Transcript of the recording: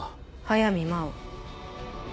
速水真緒。